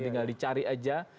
tinggal dicari aja